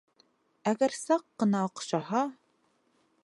Әгәр саҡ ҡына оҡшаһа...